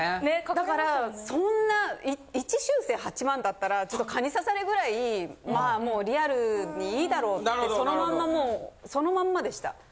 だからそんな１修正８万だったら蚊に刺されぐらいまあもうリアルにいいだろうってそのまんまもうそのまんまでした。